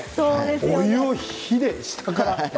お湯を火で下から。